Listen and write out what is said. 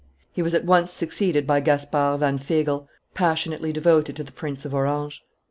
He was at once succeeded by Gaspard van Fagel, passionately devoted to the Prince of Orange.